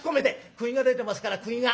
くぎが出てますからくぎが。